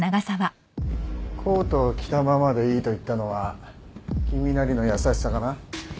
コートを着たままでいいと言ったのは君なりの優しさかな？